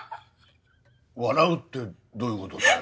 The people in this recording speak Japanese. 笑うってどういうことだよ？